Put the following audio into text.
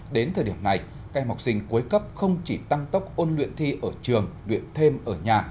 đến thời điểm này các em học sinh cuối cấp không chỉ tăng tốc ôn luyện thi ở trường luyện thêm ở nhà